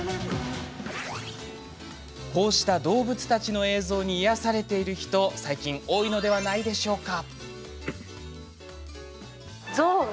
こうした動物たちの映像に癒やされているという人、最近多いんじゃないですか？